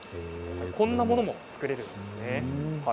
こんなものも作れるんです。